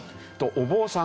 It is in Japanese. お坊さん